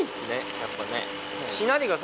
やっぱね。